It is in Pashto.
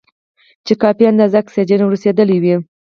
چې کافي اندازه اکسیجن ور رسېدلی وي.